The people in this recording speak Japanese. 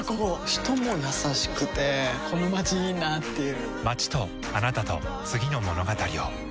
人も優しくてこのまちいいなぁっていう